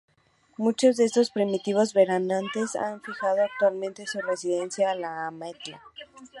Muchos de estos primitivos veraneantes han fijado actualmente su residencia en La Ametlla.